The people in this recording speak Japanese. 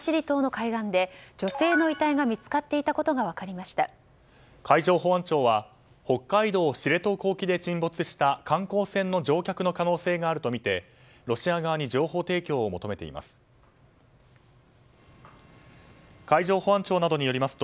海上保安庁は北海道知床沖で沈没した観光船の乗客の可能性があるとみてロシア側に情報提供を求めています。